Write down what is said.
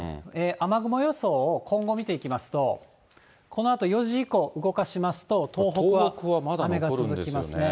雨雲予想を今後、見ていきますと、このあと４時以降、動かしますと、東北は雨が続きますね。